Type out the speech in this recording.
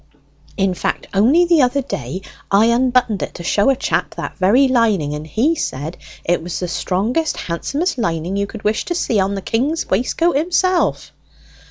In fact, only the other day, I unbuttoned it to show a chap that very lining, and he said it was the strongest, handsomest lining you could wish to see on the king's waistcoat himself."